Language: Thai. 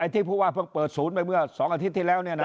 ที่พูดว่าเปิดศูนย์ไปเมื่อ๒าทิตย์ที่แล้วเนี่ยนะ